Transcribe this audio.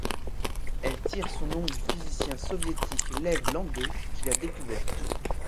Elle tire son nom du physicien soviétique Lev Landau qui l'a découverte.